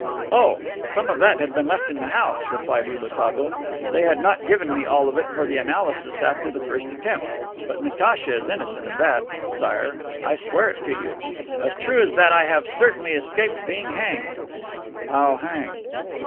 "Oh, some of that had been left in the house," replied Rouletabille. "They had not given me all of it for the analysis after the first attempt. But Natacha is innocent of that, Sire. I swear it to you. As true as that I have certainly escaped being hanged." "How, hanged?"